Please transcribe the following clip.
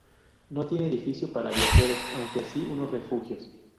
No tiene edificio para viajeros aunque sí unos refugios.